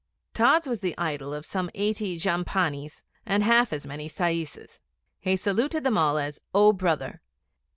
Tods was the idol of some eighty jhampanis, and half as many saises. He saluted them all as 'O Brother.'